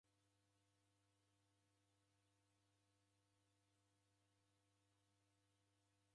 W'ow'a ghoko ngera w'afungwa w'adima kuchurikia.